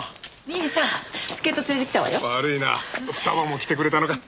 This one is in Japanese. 二葉も来てくれたのか。